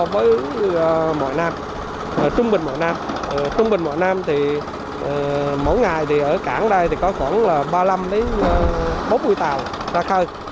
với mọi nam trung bình mọi nam mỗi ngày ở cảng đây có khoảng ba mươi năm bốn mươi tàu ra khơi